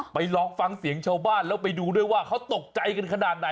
ไปลองฟังเสียงชาวบ้านแล้วไปดูได้ว่าเหตุกใจขนาดไหน